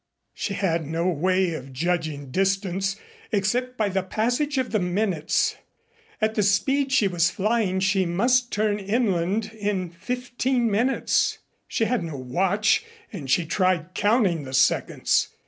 She had no way of judging distance except by the passage of the minutes. At the speed she was flying she must turn inland in fifteen minutes. She had no watch and she tried counting the seconds.